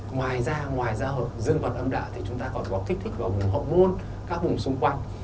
ngoài ra ngoài ra ở dương vật âm đạo thì chúng ta còn có thích thích vào vùng hộp môn các vùng xung quanh